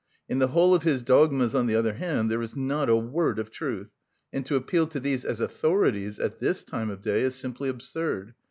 In the whole of his dogmas, on the other hand, there is not a word of truth; and to appeal to these as authorities at this time of day is simply absurd.